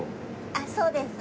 あっそうです。